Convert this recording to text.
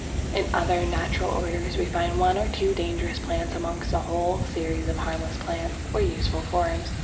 In other natural orders we find one or two dangerous plants amongst a whole series of perfectly harmless or useful forms.